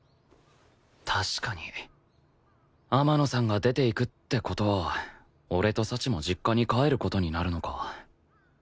確かに天野さんが出て行くって事は俺と幸も実家に帰る事になるのか